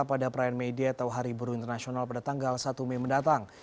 pada perayaan may day atau hari buruh internasional pada tanggal satu mei mendatang